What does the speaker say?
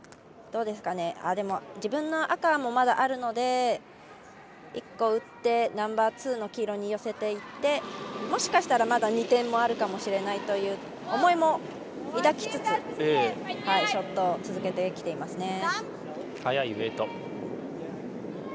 でも自分の赤もまだあるので１個打ってナンバーツーの黄色に寄せていってもしかしたら、まだ２点もあるかもしれないという思いも抱きつつショットを続けてきています。